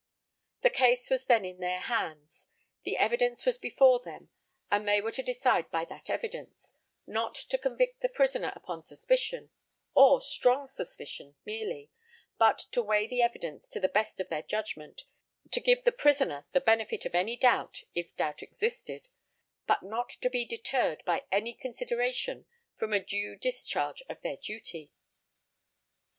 The case was then in their hands; the evidence was before them, and they were to decide by that evidence; not to convict the prisoner upon suspicion, or strong suspicion merely; but to weigh the evidence to the best of their judgment; to give the prisoner the benefit of any doubt, if doubt existed, but not to be deterred by any consideration from a due discharge of their duty.